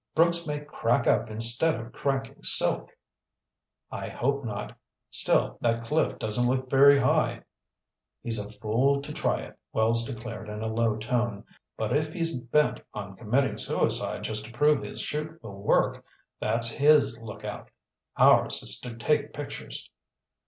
Brooks may crack up instead of cracking silk." "I hope not. Still, that cliff doesn't look very high." "He's a fool to try it," Wells declared in a low tone. "But if he's bent on committing suicide just to prove his 'chute will work, that's his lookout. Ours is to take pictures."